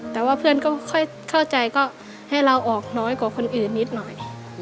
แต่ว่าเพื่อนก็ค่อยเข้าใจก็ให้เราออกน้อยกว่าคนอื่นนิดหน่อย